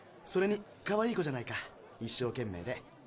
それにかわいい子じゃないか一生懸命で。